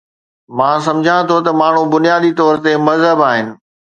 مان سمجهان ٿو ته ماڻهو بنيادي طور تي مهذب آهن